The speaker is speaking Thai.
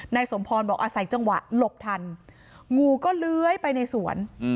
สมพรบอกอาศัยจังหวะหลบทันงูก็เลื้อยไปในสวน